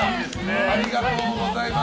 ありがとうございます。